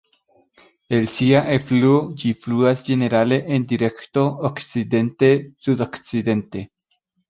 El sia elfluo, ĝi fluas ĝenerale en direkto okcidente-sudokcidente.